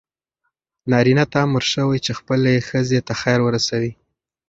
نارینه ته امر شوی چې خپلې ښځې ته خیر ورسوي.